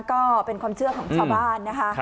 ก็เป็นความเชื่อของชาวบ้านนะคะ